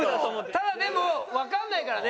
ただでもわかんないからね。